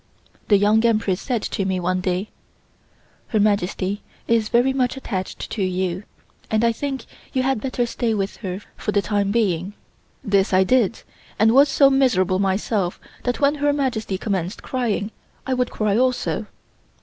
The Young Empress said to me one day: "Her Majesty is very much attached to you, and I think you had better stay with her for the time being." This I did, and I was so miserable myself that when Her Majesty commenced crying I would cry also.